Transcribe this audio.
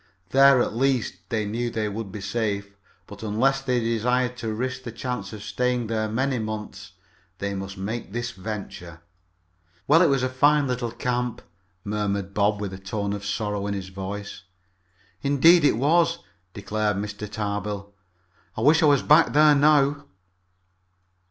There, at least, they knew they would be safe, but unless they desired to risk the chance of staying there many months, they must make this venture. "Well, it was a fine little camp," murmured Bob, with a tone of sorrow in his voice. "Indeed it was," declared Mr. Tarbill. "I wish I was back there now."